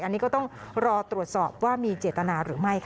อันนี้ก็ต้องรอตรวจสอบว่ามีเจตนาหรือไม่ค่ะ